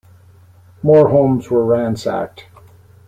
More homes were ransacked.